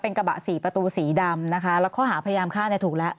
เป็นกระบะสีประตูสีดำนะคะแล้วเขาหาพยายามฆ่าถูกแล้ว